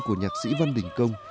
của nhạc sĩ văn đình công